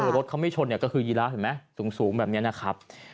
รถเขาไม่ชนเนี่ยก็คือยีระเห็นไหมสูงแบบนี้นะครับ